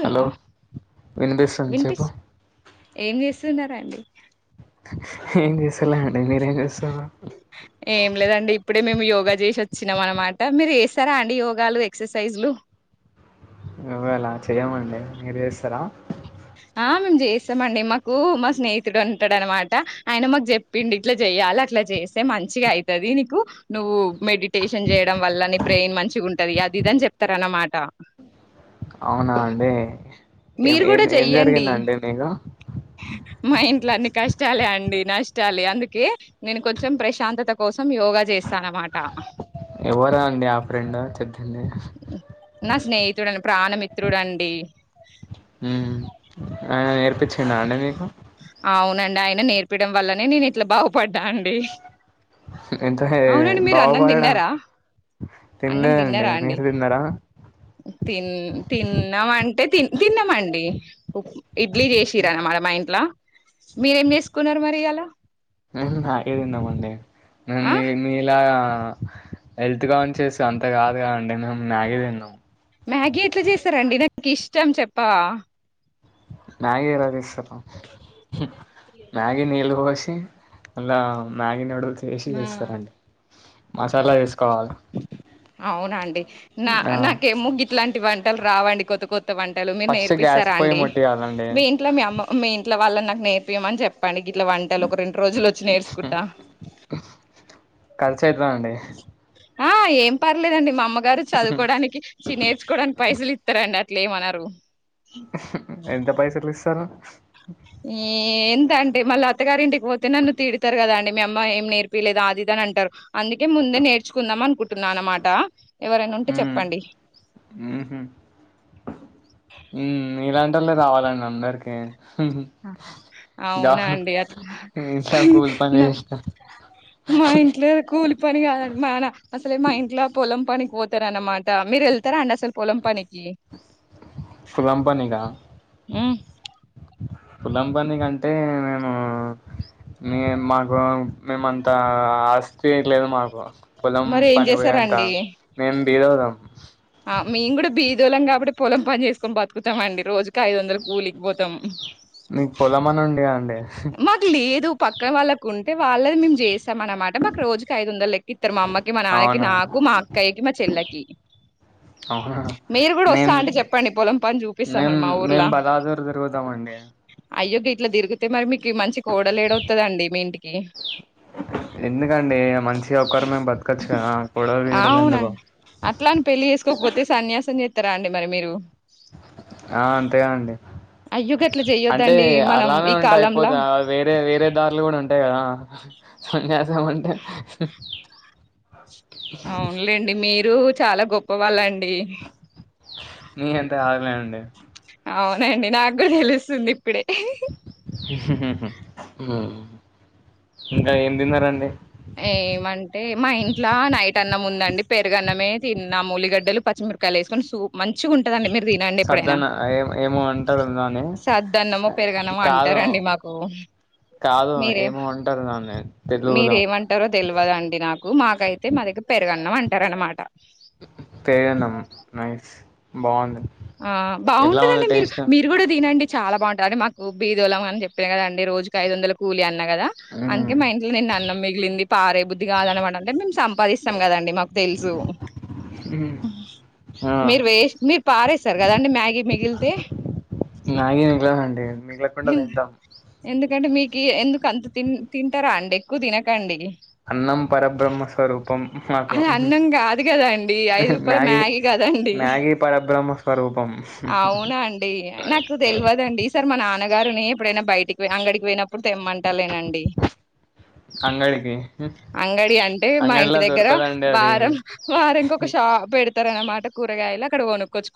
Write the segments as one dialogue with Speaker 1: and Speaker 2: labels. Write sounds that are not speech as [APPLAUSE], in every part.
Speaker 1: Hello వినిపిస్తుంది చెప్పు
Speaker 2: వినిపిస్తు ఏం చేస్తున్నార అండి
Speaker 1: [UNINTELLIGIBLE] మెరెమ్ చెస్తున్నారు
Speaker 2: ఏం లేదండి ఇప్పుడే మేము యోగా చేసి వచ్చినాం అనమాట మీరు చేస్తారా అండి యోగాలు ఎక్సర్సైజ్లు
Speaker 1: వ్వేలా చెయమండి మీరు చేస్తారా
Speaker 2: ఆ మేము చేస్తామండి మాకు మా స్నేహితుడు ఉంటాడు అనమాట ఆయన మాకు చెప్పిడు ఇట్లా చెయాలి అట్లా చేస్తే మంచిగా అవుతది నీకు నువ్వు మెడిటేషన్ చేయడం వల్ల న బ్రెయిన్ మంచి ఉంటది అది ఇదని చెప్తార అన్నమాట
Speaker 1: అవునా అండి ఏం
Speaker 2: మీరు
Speaker 1: ఏం
Speaker 2: కూడా
Speaker 1: ఏం
Speaker 2: చెయ్యండి
Speaker 1: జరిగిందండి మీకు
Speaker 2: మా ఇంట్లో అన్ని కష్టాలే అండి నష్టాలి అందుకే నేను కొంచెం ప్రశాంతత కోసం యోగా చేస్తాన అన్నమాట
Speaker 1: ఎవరా అండి ఆ ఫ్రెండ్ చెప్పింది
Speaker 2: నా స్నేహితుడ ప్రాణమ పిత్రుదండి
Speaker 1: ఆయన నేర్పించడా అండి మీకు
Speaker 2: అవునండి ఆయన నేర్పడం వల్లనే నేను ఇట్లా బాగుపడ్డా అండి
Speaker 1: ఎంత
Speaker 2: అవునండి మీరు
Speaker 1: బాగుపడడం
Speaker 2: అన్నంతిన్నారా అన్నం
Speaker 1: తినలేదండి
Speaker 2: తిన్నారా అండి
Speaker 1: మీరు తిన్నారా
Speaker 2: తిన్ తిన్నా అంటే తి తిన్నామండి ఇడ్లీ చేసిరనమా మా ఇ అట్లా మీరేం చేేసుకున్నారు మరి ఇలా
Speaker 1: [UNINTELLIGIBLE] నేను
Speaker 2: ఆ
Speaker 1: మీ ఇలా హెల్త్ కాన్షియస్ చేసి అంత కాదు క అండి మేము మ్యాగీ తిన్నాం
Speaker 2: నాకి ఇష్టం చెప్ప
Speaker 1: మ్యాగి ఇరది [UNINTELLIGIBLE] మ్యాగి నీలు అళ్ళ మ్యాగీ నడుల్ వేసి
Speaker 2: మా
Speaker 1: వేస్తారండి మసాలా వేసుకోవాలి
Speaker 2: అవునండి నా
Speaker 1: ఆ
Speaker 2: నాకే గ్గి ఇట్లాంటి వంటలు రావండి కొత్త కొత్త త్త వంటలు మీరు
Speaker 1: ఫస్ట్ గ్యాస్
Speaker 2: నేర్పిస్తారా
Speaker 1: పొయ్యి
Speaker 2: అండి
Speaker 1: ముట్టియాలండి
Speaker 2: మీ ఇంట్లో మీ అమ్మ మీ ఇంట్లో వాళ్ళని నాకు నేర్పియమని చెప్పండి ఇట్లా వంటాల ఒక రెండు రోజులు వచ్చి నేర్చుకుంటా
Speaker 1: చైత్ర అండి
Speaker 2: ఆ ఏం పర్లేదండి మా అమ్మగారు చదువుకోవడానికి నేర్చుకోవడానికి పైసలు ఇస్తారు ఇట్లే ఏమన్నరు
Speaker 1: ఎంత పైసలు ఇస్తారు
Speaker 2: ఎంత అంటే మళ్ళీ అత్తగారింటికి పోతే నన్ను తిడతారు కదా అండి మీ అమ్మ ఏం నేర్పిలేద అది అని అంటారు అందుకే ముందే నేర్చుకుందాం అనుకుంటున్నా అనమాట
Speaker 1: హ ఇలాంటి వాళ్ళ రావాలండి అందరికి దా
Speaker 2: అవునా అండి అ
Speaker 1: ఇంట్లో కూలి పని
Speaker 2: నా
Speaker 1: చేసిన
Speaker 2: మా ఇంట్లోద కూలి పని కాదండి మాన అసలే మా ఇంట్లో పొలం పనికి పోతారన్నమాట మీరు వెళ్తారా అండి అసలు పొలం పనికి
Speaker 1: పోలం పనికా
Speaker 2: హ్మ్.
Speaker 1: పోలం పని మేము కంటే మ మాకు మేమంతా ఆస్ తీయట్లేదు మాకు పొలం
Speaker 2: మరి ఏం
Speaker 1: పని పోయంత
Speaker 2: చేసారండి
Speaker 1: మేం బీద [UNINTELLIGIBLE]
Speaker 2: ఆ మేము కూడా బీదోలం కాబట్టి పొలం పని చేసుకొని బతుకుతమ్మండి రోజు ఇ ఐదు వందలు కూలికిపోతాము
Speaker 1: మీకు పొలమని ఉందిగా అండి
Speaker 2: మాకు లేదు పక్కన వాళ్ళకు ఉంటే వాళ్ళది మేము చేసాం అన్నమాట మాకు రోజుకి ఐదు వందల లె ఇద్దరు మా అమ్మకి మా నాన్నకి
Speaker 1: అవునా
Speaker 2: నాకు మా అక్కయ్యకి మా చెల్లకి
Speaker 1: అవునా
Speaker 2: మీరు కూడా
Speaker 1: మేం
Speaker 2: వస్తా అంటే చెప్పండి పొలం పని
Speaker 1: మేం
Speaker 2: చూపిస్తామరి మా
Speaker 1: మేం
Speaker 2: ఊర్లా
Speaker 1: బలాదూర్ తిరుగుతామండి
Speaker 2: అయోగ్య ఇట్లా దీర్ఘ మంచి కోడలే ఏడతుదండి మీ ఇంటికి
Speaker 1: ఎందుకండి మంచి ఒకరు మేము బతకచ్చు కోడలు మీద
Speaker 2: అవునా
Speaker 1: ఎందుకు
Speaker 2: అట్లా అని పెళ్లి చేసుకోకపోతే సన్యాసం చేస్తారా అండి మరి మీరు
Speaker 1: ఆ అంతేగా అండి
Speaker 2: అయ్యో గట్ల
Speaker 1: అంటే
Speaker 2: చెయ్యొద్దండి మనం
Speaker 1: అలానే
Speaker 2: ఈ
Speaker 1: ఉంటా
Speaker 2: కాలంలా
Speaker 1: అయిపోతా వేరే వేరే దారులు కూడా ఉంటాయి కదా సన్యాసమంటే
Speaker 2: అవునులేండి మీరు చాలా గొప్ప వాళ్ళ అండి
Speaker 1: నీ ఎంత ఆగలేండి
Speaker 2: అవునండి నాకు తెలుస్తుంది ఇప్పుడే
Speaker 1: ఉ ఇంకా ఏం తిన్నారంండి
Speaker 2: ఏమంటే మా ఇంట్లా నైట్ అన్న ముందండి ఓన్లీ పెరుగన్నమే తిన్న ఉలిగడ్డలు పచ్చిమిరకాయలు వసుకొని సూపర్ ఉంది మంచిగా ఉంటదండి మీరు తినండి ఎప్పుడైనా
Speaker 1: సద్దన్న ఏ ఏమో అంటారు దాన్ని
Speaker 2: సద్దన్నమో పెరుగన్నమో అంటే
Speaker 1: కాదు
Speaker 2: సరండి మాకు
Speaker 1: కాదు
Speaker 2: మీరే
Speaker 1: ఏమో అంటారు దాన్ని తెలుగులో
Speaker 2: తెలివద అండి నాకు మాకైతే మా దగ్గర పెరుగన్నాం అంటార అనమాట
Speaker 1: పెరుగన్న నైస్ బాగుంది
Speaker 2: ఆ
Speaker 1: ఎలా ఉంది
Speaker 2: బాగుంటదండి మీరు
Speaker 1: టేస్ట్
Speaker 2: మీరు కూడా తినండి చాలా బాగుంటంది అడి మాకు బీదోలం అని చెప్పాను కదం రోజకి ఐదు వందల కూలి అని కద అంటే
Speaker 1: మ్మ్
Speaker 2: మా ఇంట్లో నేను అన్నం మిగిలింది పారే బుద్ధి కాదనమాట అంటే మేము సంపాదిస్తాం కదండి మాకు తెలుసు
Speaker 1: ఆ
Speaker 2: మీరు వే మీరు పారేస్తారు కదండి మ్యాగీ మిగిలితే
Speaker 1: నాగే మిగలదండి మిగలకుండా తింటాం
Speaker 2: ఎందుకంటే మీకు ఎందుకు అంత తి తింటారా అండి ఎక్కువ తినకండి
Speaker 1: అన్నం పరబ్రహ్మస్వరూపం మాకు
Speaker 2: అది అన్నం కాదు కదండి ఐదు రూపాయల మ్యాగీ కదండి
Speaker 1: మ్యాగీ పరబ్రహ్మ స్వరూపం
Speaker 2: అవునా అండి నాకు తెలియదండి ఈ సారి మా నాన్నగారుని ఎప్పుడైనా బయటికి అంగడికి పోయినప్పుడు అప్పుడు తెమ్మంటలేేనండి
Speaker 1: అంగడికి
Speaker 2: అంగడి అంటే మా ఇంటి
Speaker 1: అంగడిలో
Speaker 2: దగ్గర
Speaker 1: దొరకదండి అది
Speaker 2: వారం వారంకి ఒక సారి పెడతారనమాట కూరగాయలు అక్కడ కొనుక్కోవచ్చు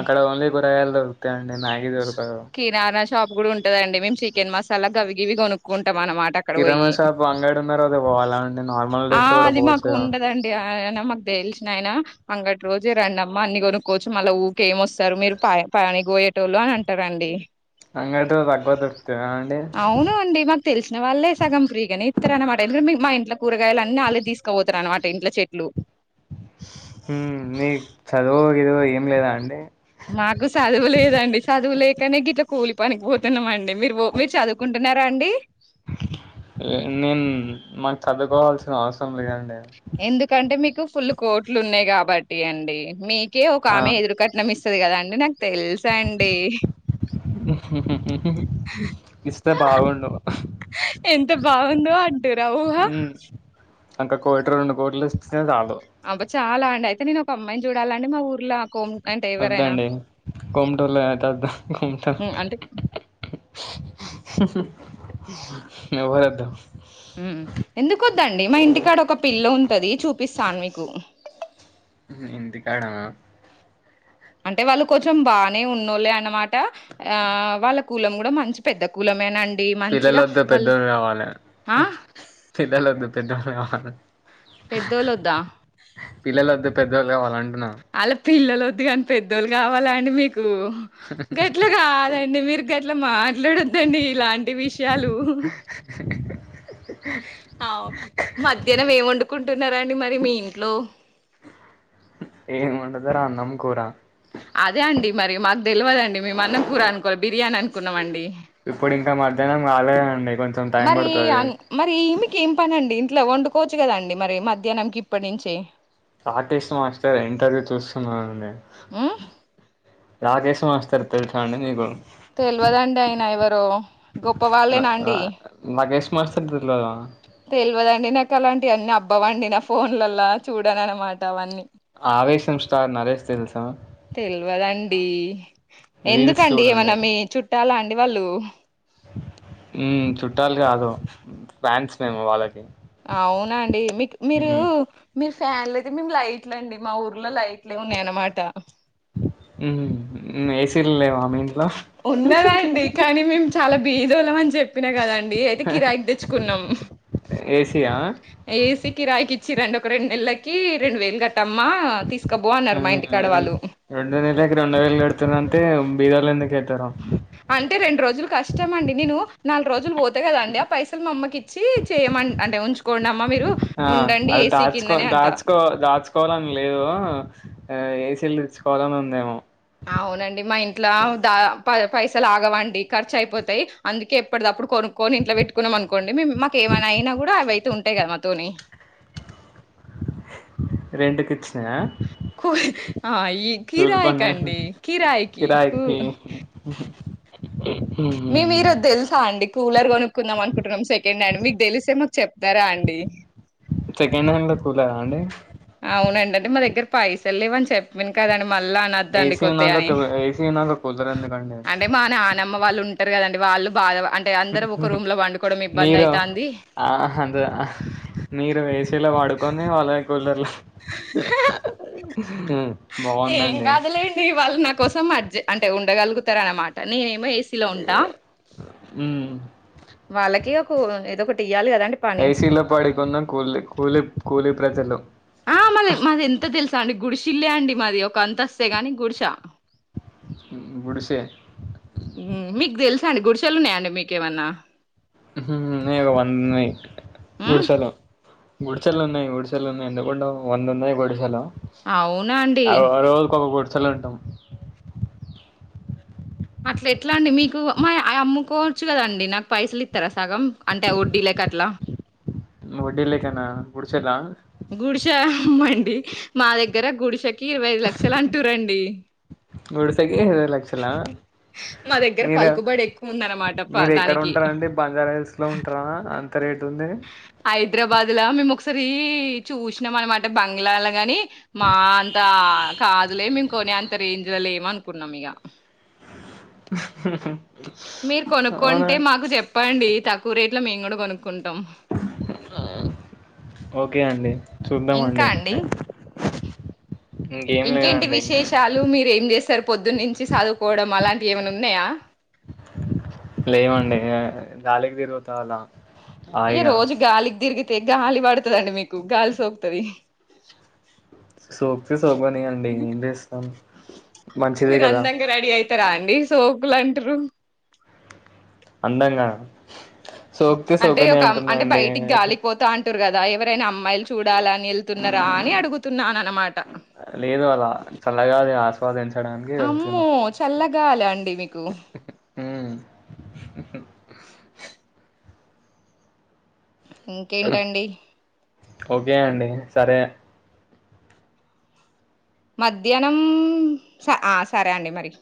Speaker 1: అక్కడ ఓన్లీ కూరగాయలు దొరుకుతాయి అండి మ్యాగీ దొరకదు
Speaker 2: కిరాణా షాప్ కూడా ఉంటుదండి మేము చికెన్ మసాలా గవి గీవి కొనుక్కుంటా మండి
Speaker 1: కిరాణా షాప్ అంగడి ఉన్న రోజే పోవాలా నార్మల్
Speaker 2: ఆ
Speaker 1: డేస్ పోవచ్చా
Speaker 2: అది మాకు ఉండదండి ఆయన మాకు తెలిసిన ఆయన అంగటి రోజు రండమ్మ అన్ని కొనుక్కోవచ్చు మళ్ళ ఊకె ఏమొస్తారు మీరు పని పోయేటోళు అని అంటారు అండి
Speaker 1: అంగడి రోజు అగో దొరుకుతాయా
Speaker 2: అవును అండి మాకు తెలిసిన వాళ్ళే సగం ఫ్రీగా ఇస్తారు అనమాట మా ఇంట్లో కూరగాయలు అన్నీ వాళ్ళే తీసుకుపోతారు అనమాట ఇంట్లో చెట్లు
Speaker 1: ఉ నీకు చదువు ఓ గీదిగో ఏం లేదా అండి
Speaker 2: మాకు చదువు లేదండి చదువు లేకనే గిట్లా కూలి పనికిపోతున్నాం అండి మీరు మీరు చదువుకుంటున్నారా అండి
Speaker 1: ఏ నేను మాకు చదువుకోవాల్సిన అవసరం లేదు అండి
Speaker 2: ఎందుకంటే మీకు ఫుల్ కోట్లు ఉన్నాయి కాబట్టి అండి మీకు ఓకే ఒక
Speaker 1: ఆ!
Speaker 2: ఆమె ఎదురుకట్నం ఇస్తుది కదాండి నాకు తెలుసా అండి
Speaker 1: ఉఊ ఇస్తే బాగుండవు
Speaker 2: ఎంత బాగుందో అంటరా ఊహ
Speaker 1: ఒక్క కోటి రెండు కోట్లు ఇస్తే చాలు.
Speaker 2: అబ్బ చాల అండి అయితే నేను ఒక అమ్మాయిని చూడాలండి మా ఊర్లో కో
Speaker 1: వద్దాండి కొమటూలోయి వద్దాం కొమట
Speaker 2: హ్మ్. అంటే
Speaker 1: ఎవ్వరొద్దు
Speaker 2: ఎందుక వద్దండి మా ఇంటికాడ ఒక పిల్ల్లో ఉంటది చూపిస్తాను మీకు
Speaker 1: ఇంటికడన
Speaker 2: అంటే వాళ్ళు కొంచెం బాగానే ఉన్నోళ్ళ అనమాట ఆ వాళ్ళ కూలం కూడా మంచి పెద్ద కూలమే
Speaker 1: పిల్లల వద్ద పెద్దలు కావాలి
Speaker 2: ఆ
Speaker 1: పిల్లలద్ద పెద్ద కావాలి
Speaker 2: పెద్దోళ్ళ వద్దా
Speaker 1: పిల్లద్దళ్లు కావాలం
Speaker 2: అలా పిల్లల వద్దు కానీ పెద్దోళ్ళు కావాల అండి మీకు గట్ల కాదండి మీరు గట్ల మాట్లాడొద్దండి ఇలాంటి విషయాలు అవు మధ్యాహ్నం ఏం వండుకుం న్నారాండి మరి మీ ఇంట్లో
Speaker 1: ఏముండదు అన్నం కూర
Speaker 2: అదే అండి మరి మాకు తెలియవదుండి మ మన్నం కూూర అనుకోవాలి బిర్యానీ అనుకున్నాం అండి
Speaker 1: ఇప్పుడు ఇంకా మధ్యాహ్నం కాలేదండి కొంచెం టైం
Speaker 2: మరి అ
Speaker 1: పడుతది.
Speaker 2: మరి మీకు ఏం పనండి ఇట్లా వండుకోవచ్చు కదండి మరి మధ్యాహ్నంకి ఇప్పటి నుంచి
Speaker 1: ఆర్టిస్ట్ మాస్టర్ ఇంటర్వ్యూ చూస్తున్నాను నేను
Speaker 2: ఆ
Speaker 1: రాగష్ మాస్తర్ తె చండ నకు
Speaker 2: తెలియదండి అయన ఎవరో గొప్ప వాళ్ళేనా అండి
Speaker 1: రాకేష్ మాస్టర్ తెల్వదా
Speaker 2: తెలియదండి నాకు అలాంటి అన్నీ అబ్ పవండి నా ఫోన్లలా చూడన అనమాట అవన్నీ
Speaker 1: ఆవేశం స్టార్ నరేష్ తెలుసా
Speaker 2: తెలియదండి
Speaker 1: రీల్స్
Speaker 2: ఎందుకండి
Speaker 1: చూడండి
Speaker 2: ఏమనా మీ చుట్టాలా అండి వాళ్ళు
Speaker 1: చుట్టాలు కాదు ఫ్యాన్స్ మేము వాళ్ళకి
Speaker 2: అవునా అండి మీకు మీరు
Speaker 1: మ్మ్
Speaker 2: మీరు ఫ్యాన్లు అయితే మేము లైట్ల అండి మా ఊర్లో లైట్లు ఉన్నాయ అనమాట
Speaker 1: ఏసీలు లేవ మీ ఇంట్లో
Speaker 2: ఉన్నదండి కానీ మేము చాలా బీదోలం అని చెప్పినా కదండి అయితే కిరాయికి తెచ్చుకున్నాం
Speaker 1: ఏసీయా
Speaker 2: ఏసీకిి రాయికి ఇచ్చి రెండు ఒక రెండు నెలలకి రెండు వేలు కట్ట వాళ్ళు
Speaker 1: రెండో నెల ఇక రెండో వేలు కడుతున్నా అంటే బీదాలు ఎందుకు అయితారు
Speaker 2: అంటే రెండు రోజులు కష్టండి నేను నాలుగు రోజులు పో కదండి ఆ పైసలు మా అమ్మకి ఇచ్చి చేయమ అంటే ఉంచుకోండి అమ్మా మీరు
Speaker 1: ఆ
Speaker 2: ఉండండి
Speaker 1: అది
Speaker 2: ఏసీ
Speaker 1: దాచుకో
Speaker 2: కిందని అ
Speaker 1: దాచుకో దాచుకోవాలని లేదు ఆ ఏసీలు తెచ్చుకోవాలనే ఉందేమో
Speaker 2: అవునండి మా ఇంట్లో ద ప పైస లాగవండి ఖర్చు అయిపోతాయి అందుకే ఎప్పటిదప్పుడు కొను కొని ఇంట్లో పెట్టుకున్నాం అనుకోండి మేము మాకు ఏమైనా అయినా కూడా అవి అయితే ఉంటాయి కదా మాతోని
Speaker 1: రెంటుకి ఇచ్చినాయా
Speaker 2: [UNINTELLIGIBLE] మీ
Speaker 1: పని కిరాయికి
Speaker 2: మీ మీరు తెలుసా అండి కూలర్ కొనుక్కుందాం అనుకుంటున్నాం సెకండ్ హ్యాండ్ మీకు తెలిసే మాకు చెప్తారా అండి
Speaker 1: సెకండ్ హ్యాండ్లో చూడరాఅండి
Speaker 2: అవునండిండి మా దగ్గర పైసలు ఇవ అని చెప్పిను కదండి మళ్ళా అనద్దండి
Speaker 1: ఏసీ
Speaker 2: కొత్త అని
Speaker 1: ఉన్నాక ఏసీ ఉన్నాక కూలర్ ఎందుకండి
Speaker 2: అంటే మా నా అమ్మ వాళ్ళు ఉంటారు కదండి వాళ్ళ బా
Speaker 1: [UNINTELLIGIBLE]
Speaker 2: అయితాంది
Speaker 1: మీరు ఏసీ లో పడుకొని వాళ్ళ కూలర్లా
Speaker 2: ఏం కాదులేండి వాళ్ళు నా కోసం మర్జి అంటే ఉండగలుగుతార అన్నమాట నేనేమో శిలో ఉంటా
Speaker 1: ఉమ్
Speaker 2: వాళ్ళకి ఒకవో ఏదో ఒకటి ఇయ్యాలి కదండి పని
Speaker 1: ఐసీలో పడికున్న కూలి కూలి కూలి ప్రజలు
Speaker 2: ఆ మలి మాది ఎంత తెలుసా అండి గుడిసిల్లే అండి మాది ఒక అంతస్తు ఏ గాని గుడిసా
Speaker 1: గుడిసె
Speaker 2: హ్మ్. మీకు తెలుసా అండి గుడిసెలు ఉన్నాయా అండి మీకు ఏమన్నా
Speaker 1: ఉహు నేడు వందయి విడు
Speaker 2: హ్మ్.
Speaker 1: సల గుడిసెలు ఉన్నాయి గుడిసెలు ఉన్నాయి ఎందుకు ఉండవు వంద ఉన్నాయి గుడిసెలో
Speaker 2: అవునా అండి
Speaker 1: అగో రోజు ఒక గుడిసె లా ఉంటాం
Speaker 2: అట్లా ఎట్లా అండి మీకు మా ఆయి అమ్ముకోవచ్చు కదండి నాకు పైసలు ఇస్తారా సగం అంటే వడ్డీ లె కాట్లా
Speaker 1: వడ్డీల కేనా గుడిసె లా
Speaker 2: గుడిసె అమ్మండి మా దగ్గర గుడిసె కి ఇరవై ఐదు లక్షలు అంటురండి
Speaker 1: గుడిసె కు ఇరవై లక్షలా
Speaker 2: మా దగ్గర
Speaker 1: మీరు
Speaker 2: పలుకుబడి ఎక్కువ ఉందన్నమాట ప
Speaker 1: మీరు ఎక్కడ
Speaker 2: దానికి
Speaker 1: ఉంటారండి బంజారా తెలుస్ లో ఉంటార అంత రేటు ఉంది
Speaker 2: హైదరాబాద్ లా మేము ఒకసారి చూసినాం అనమాట బంగ్లాల గాని మా అంత కాదులే మేము కొనే అంత రేంజ్ లో లేమ్ అనుకున్నాం ఇక
Speaker 1: అ
Speaker 2: మీరు కొనుక్కుంటే మాకు చెప్పండి తక్కువ రేట్ లో మేము కూడా కొనుక్కు
Speaker 1: ఓకే అండి
Speaker 2: ఇంకా
Speaker 1: చూద్దామండి
Speaker 2: అండి
Speaker 1: ఇంకేం
Speaker 2: ఇంకేంటి
Speaker 1: లేదండి
Speaker 2: విశేషాలు మీరు ఏం చేస్తారు పొద్దున్ నుంచి చదుకోవడం అలాంటివి ఏమన్నా ఉన్నాయా
Speaker 1: లేవు అండి దాలకి తిరుగుతా అలా
Speaker 2: ఇగ
Speaker 1: హాయిగా
Speaker 2: రోజు గాలికి తిరిగితే గాలి పడుతదండి మీకు గాలి సోకుతది
Speaker 1: సోకుతే సోకనీయండి ఏం చేస్తాం మంచిదే
Speaker 2: మీరు
Speaker 1: కదా
Speaker 2: అందంగా రెడీ అయితారా అండి సోకులు అంటుర్రు
Speaker 1: అందంగా సోకితే
Speaker 2: అంటే
Speaker 1: సోకని
Speaker 2: ఒక
Speaker 1: అంటున్నా
Speaker 2: అంటే
Speaker 1: అండి
Speaker 2: బయటికి గాలిపోతా అం టూరు కదా ఎవరైనా అమ్మాయిలు చూడాల అని వెళ్తున్నారా అని అడుగుతున్నాన అనమాట
Speaker 1: లేదు అలా చల్లగా అది ఆస్వాదించడానికి వెళ్తున్నా
Speaker 2: కాల అండి మీకు
Speaker 1: అ
Speaker 2: ఇంకేంటండి
Speaker 1: ఏ అండి సరే
Speaker 2: మధ్యాహ్నం ఆ సరే అండి మరి